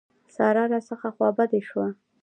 سارا راڅخه خوابدې شوه.